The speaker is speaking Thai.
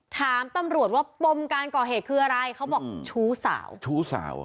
ถามปำรวจว่าอื่นการก่อเหตุอะไรเธอบอกชู้สาว